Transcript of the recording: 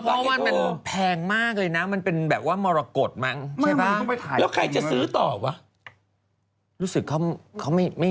ก็เพราะว่ามันแพงมากเลยน่ะมันเป็นแบบว่ามรกฏมั้งใช่ป่ะไม่ไม่